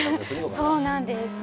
そうなんです。